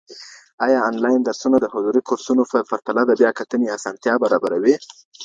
ايا انلاين درسونه د حضوري کورسونو په پرتله د بیا کتنې آسانتیا برابروي؟